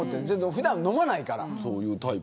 普段飲まないから。